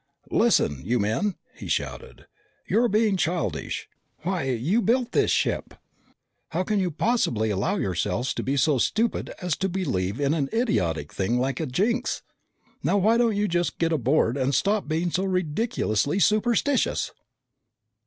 "Listen, you men!" he shouted. "You're being childish! Why, you built this ship! How can you possibly allow yourselves to be so stupid as to believe in an idiotic thing like a jinx. Now, why don't you just get aboard and stop being so ridiculously superstitious!"